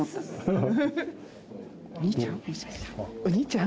お兄ちゃん？